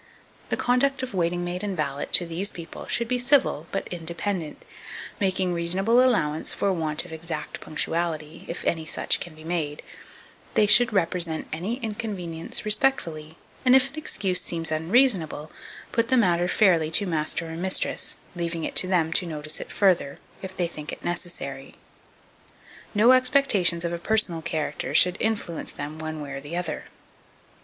The conduct of waiting maid and valet to these people should be civil but independent, making reasonable allowance for want of exact punctuality, if any such can be made: they should represent any inconvenience respectfully, and if an excuse seems unreasonable, put the matter fairly to master or mistress, leaving it to them to notice it further, if they think it necessary. No expectations of a personal character should influence them one way or the other.